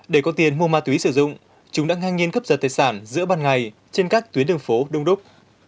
để có tiền mua ma túy sử dụng chúng đã ngang nhiên cướp giật tài sản giữa ban ngày trên các tuyến đường phố đông đúc